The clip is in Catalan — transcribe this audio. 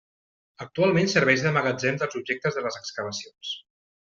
Actualment serveix de magatzem dels objectes de les excavacions.